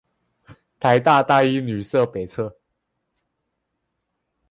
臺大大一女舍北側